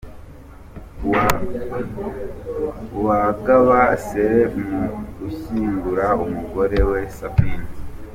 Ev Uwagaba Caleb mu gushyingura umugore we Sabine